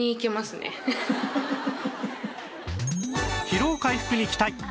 疲労回復に期待！